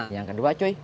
yang kedua cuy